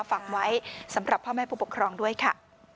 ฝากไว้สำหรับพ่อแม่ผู้ปกครองด้วยค่ะ